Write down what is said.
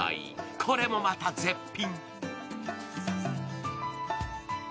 これもまた絶品。